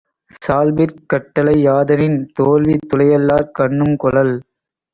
சால்பிற்குக் கட்டளை யாதெனின், தோல்வி துலையல்லார்கண்ணும் கொளல்.